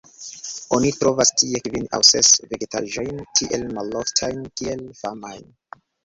Oni trovas tie kvin aŭ ses vegetaĵojn tiel maloftajn kiel famajn.